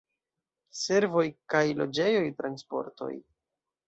Servoj kaj loĝejoj, transportoj.